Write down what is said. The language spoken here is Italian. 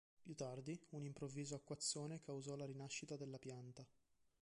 Più tardi, un improvviso acquazzone causò la rinascita della pianta.